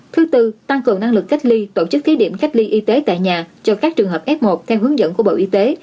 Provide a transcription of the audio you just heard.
thứ tư tăng cường năng lực cách ly tổ chức thí điểm cách ly y tế tại nhà cho các trường hợp f một theo hướng dẫn của bộ y tế